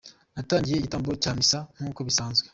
Natangiye igitambo cya misa nk’uko bisanzwe.